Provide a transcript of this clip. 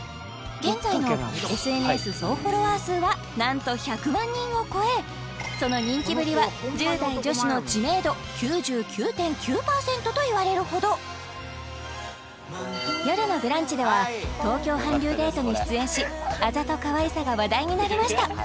現在のＳＮＳ総フォロワー数はなんと１００万人を超えその人気ぶりは１０代女子の知名度９９．９％といわれるほど「よるのブランチ」では「東京韓流デート」に出演しあざとかわいさが話題になりました